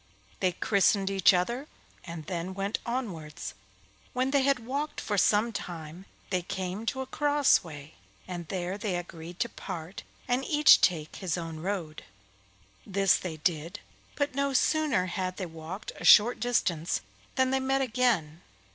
They christened each other and then went onwards. When they had walked for some time they came to a crossway, and there they agreed to part, and each take his own road. This they did, but no sooner had they walked a short distance than they met again.